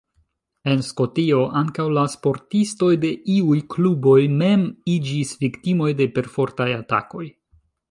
En Skotio ankaŭ la sportistoj de iuj kluboj mem iĝis viktimoj de perfortaj atakoj.